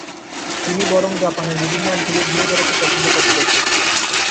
তিনি বরং জাপানের বিভিন্ন অঞ্চলে ঘুরে বেড়াতে পছন্দ করতেন।